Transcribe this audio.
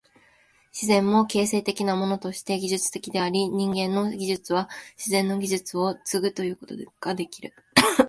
自然も形成的なものとして技術的であり、人間の技術は自然の技術を継ぐということができる。